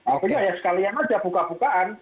akhirnya ya sekalian aja buka bukaan